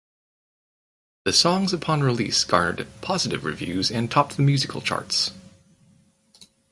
The songs upon release garnered positive reviews and topped the musical charts.